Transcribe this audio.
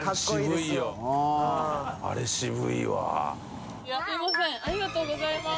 すみませんありがとうございます。